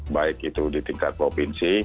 baik itu di tingkat provinsi